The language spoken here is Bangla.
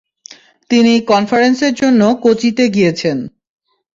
তিনি কনফারেন্সের জন্য কোচিতে গিয়েছেন।